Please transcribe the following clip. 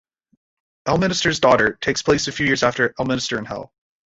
"Elminster's Daughter" takes place a few years after "Elminster in Hell".